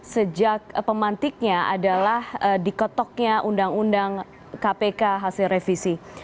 sejak pemantiknya adalah dikotoknya undang undang kpk hasil revisi